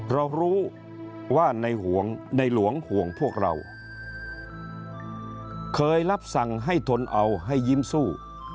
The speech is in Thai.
เรารู้ว่าในห่วงในหลวงห่วงพวกเราเคยรับสั่งให้ทนเอาให้ยิ้มสู้